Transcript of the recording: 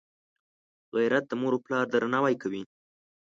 غیرت د موروپلار درناوی کوي